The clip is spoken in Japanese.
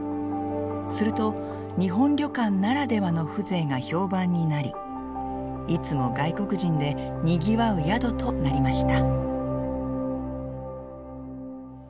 すると日本旅館ならではの風情が評判になりいつも外国人でにぎわう宿となりました。